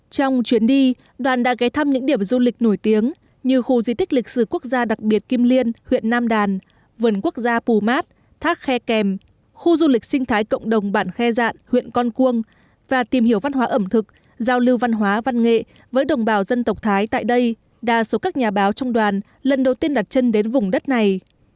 trong chuyến đi đoàn đã ghé thăm những điểm du lịch nổi tiếng như khu di tích lịch sử quốc gia đặc biệt kim liên huyện nam đàn vườn quốc gia pumat thác khe kèm khu du lịch sinh thái cộng đồng bản khe dạn huyện con cuông và tìm hiểu văn hóa ẩm thực giao lưu văn hóa văn nghệ với đồng bào dân tộc thái tại đây đa số các nhà báo trong đoàn lần đầu tiên đặt chân đến vùng đất này